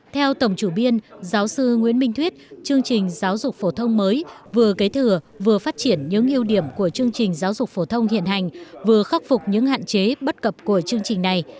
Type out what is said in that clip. theo tổng chủ biên giáo sư nguyễn minh thuyết chương trình giáo dục phổ thông mới vừa kế thừa vừa phát triển những ưu điểm của chương trình giáo dục phổ thông hiện hành vừa khắc phục những hạn chế bất cập của chương trình này